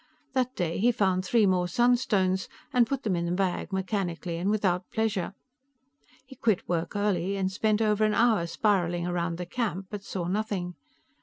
That day he found three more sunstones, and put them in the bag mechanically and without pleasure. He quit work early and spent over an hour spiraling around the camp, but saw nothing.